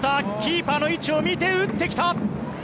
キーパーの位置を見て打ってきた。